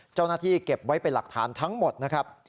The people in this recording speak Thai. เจ้าหน้าที่เก็บไว้เป็นหลักฐานทั้งหมดนะครับ